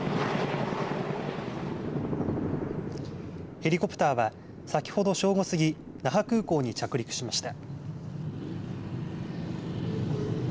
ヘリコプターは先ほど正午過ぎ那覇空港に着陸しました。